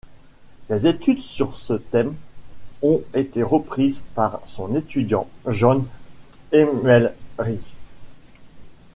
Ses études sur ce thèmes ont été reprises par son étudiant, Jan Hemelrijk.